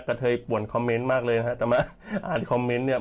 กะเทยป่วนคอมเม้นต์มากเลย